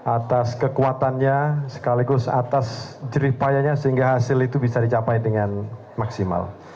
atas kekuatannya sekaligus atas jerih payahnya sehingga hasil itu bisa dicapai dengan maksimal